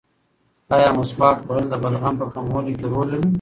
ایا مسواک وهل د بلغم په کمولو کې رول لري؟